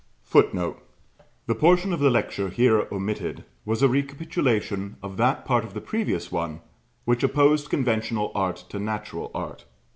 [Footnote: The portion of the lecture here omitted was a recapitulation of that part of the previous one which opposed conventional art to natural art.